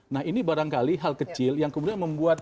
nah ini barangkali hal kecil yang kemudian membuat